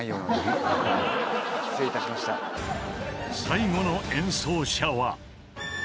［最後の演奏者は］